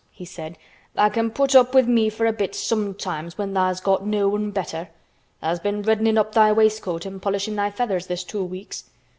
he said. "Tha' can put up with me for a bit sometimes when tha's got no one better. Tha's been reddenin' up thy waistcoat an' polishin' thy feathers this two weeks.